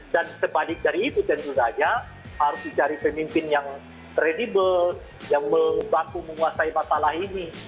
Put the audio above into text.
sebalik dari itu tentu saja harus dicari pemimpin yang kredibel yang baku menguasai masalah ini